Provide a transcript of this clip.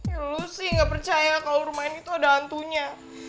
ya lu sih gak percaya kalau di rumah itu ada hantunya